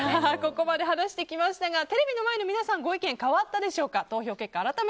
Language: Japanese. ここまで話してきましたがテレビの前の皆さんご意見変わったでしょうか。